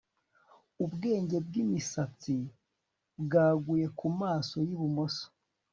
Ubwenge bwimisatsi bwaguye kumaso yibumoso